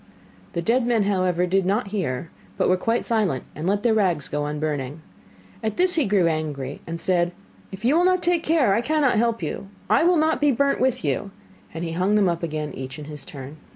The dead men, however, did not hear, but were quite silent, and let their rags go on burning. At this he grew angry, and said: 'If you will not take care, I cannot help you, I will not be burnt with you,' and he hung them up again each in his turn.